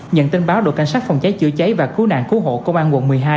nhận tin báo đội cảnh sát phòng cháy chữa cháy và cứu nạn cứu hộ công an quận một mươi hai